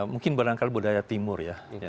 mungkin berdekat budaya timur